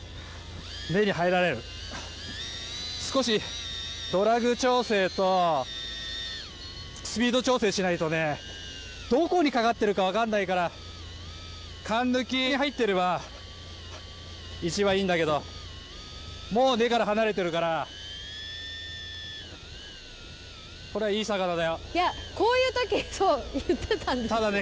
根に入られる少しドラグ調整とスピード調整しないとねどこに掛かってるかわかんないからカンヌキに入ってればいちばんいいんだけどもう根から離れてるからこれいい魚だよいやこういうときそう言ってたんですただね